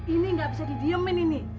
ini nggak bisa didiemin ini